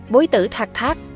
bối tử thạc thác